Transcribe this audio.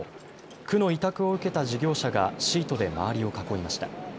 区の委託を受けた事業者がシートで周りを囲いました。